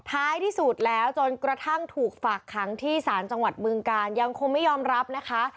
ท้ายที่สุดแล้วจนกระทั่งถูกฝากขังที่ศาลจังหวัดบึงการยังคงไม่ยอมรับนะคะ